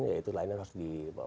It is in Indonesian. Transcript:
yaitu layanan harus diperk